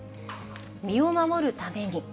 身を守るために。